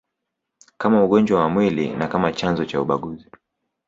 kama ugonjwa wa mwili na kama chanzo cha ubaguzi